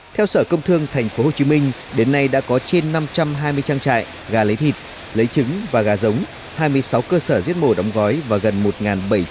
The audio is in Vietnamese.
theo sở công thương tp hcm đến nay đã có trên năm trăm hai mươi trang trại gà lấy thịt lấy trứng và gà giống hai mươi sáu cơ sở diết mổ đóng gói và gần một bảy trăm năm mươi điểm bán thịt